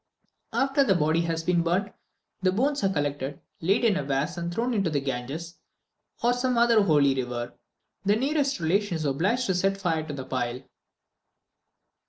After the body has been burnt, the bones are collected, laid in a vase, and thrown into the Ganges, or some other holy river. The nearest relation is obliged to set fire to the pile.